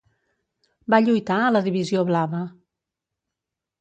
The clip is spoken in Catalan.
Va lluitar a la Divisió Blava.